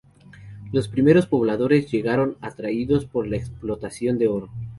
Los primeros pobladores llegaron atraídos por la explotación de oro.